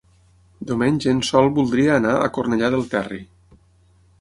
Diumenge en Sol voldria anar a Cornellà del Terri.